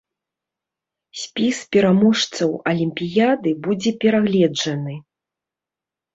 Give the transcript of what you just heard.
Спіс пераможцаў алімпіяды будзе перагледжаны.